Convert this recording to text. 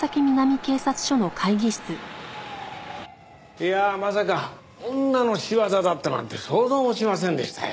いやあまさか女の仕業だったなんて想像もしませんでしたよ。